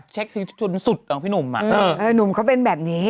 เช็คที่สุดสุดของพี่หนุ่มอ่ะอือหนุ่มเขาเป็นแบบนี้